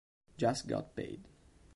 Just Got Paid